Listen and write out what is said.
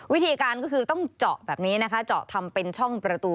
วิธีการก็คือต้องเจาะแบบนี้นะคะเจาะทำเป็นช่องประตู